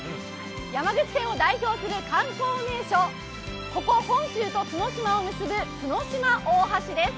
山口県を代表する観光名所、ここ本州と角島を結ぶ角島大橋です。